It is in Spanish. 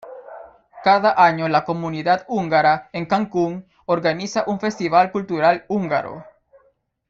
Cada año la comunidad húngara en Cancún organiza un Festival Cultural Húngaro.